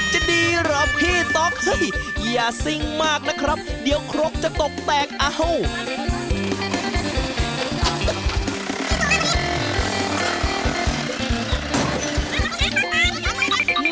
จะดีเหรอพี่ต๊อกเฮ้ยอย่าซิ่งมากนะครับเดี๋ยวครกจะตกแตกเอา